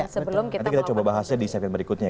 sebelum kita coba bahasnya di segmen berikutnya